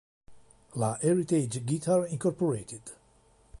La Heritage Guitar Inc.